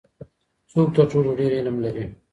څوک تر ټولو ډیر علم لري؟